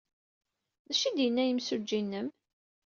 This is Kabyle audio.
D acu ay d-yenna yimsujji-nnem?